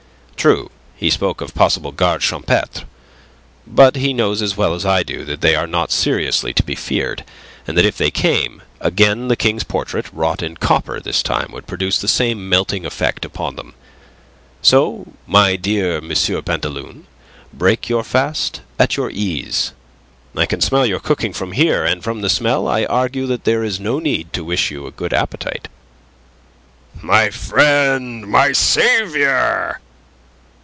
True, he spoke of possible gardes champetres. But he knows as well as I do that they are not seriously to be feared, and that if they came, again the King's portrait wrought in copper this time would produce the same melting effect upon them. So, my dear M. Pantaloon, break your fast at your ease. I can smell your cooking from here, and from the smell I argue that there is no need to wish you a good appetite." "My friend, my saviour!"